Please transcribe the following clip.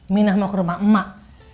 minah mau ke rumah emak emak